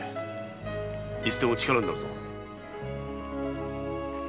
いつでも力になるぞ。